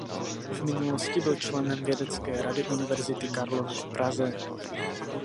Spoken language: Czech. V minulosti byl členem vědecké rady Univerzity Karlovy v Praze.